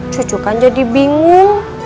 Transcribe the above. cucu kan jadi bingung